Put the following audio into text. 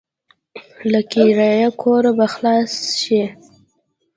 له کرايه کوره به خلاص شې.